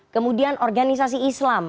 kemudian organisasi islam